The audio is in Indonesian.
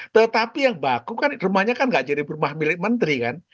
tetapi yang baku kan rumahnya kan gak jadi rumah milik menteri kan